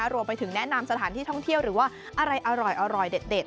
รวมไปถึงแนะนำสถานที่ท่องเที่ยวหรือว่าอะไรอร่อยเด็ด